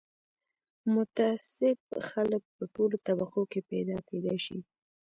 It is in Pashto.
متعصب خلک په ټولو طبقو کې پیدا کېدای شي